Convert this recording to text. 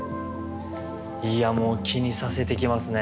いやもう気にさせてきますね。